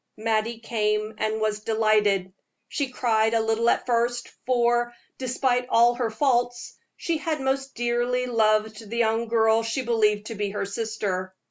Mattie came, and was delighted. She cried a little at first, for, despite all her faults, she had most dearly loved the young girl she believed to be her sister.